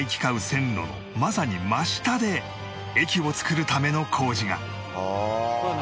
線路のまさに真下で駅を作るための工事が